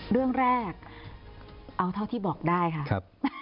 เรื่องแรกเอาเท่าที่บอกได้ค่ะ